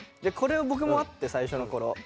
これ僕もあって最初のころ。